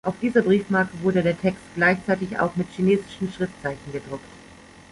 Auf dieser Briefmarke wurde der Text gleichzeitig auch mit chinesischen Schriftzeichen gedruckt.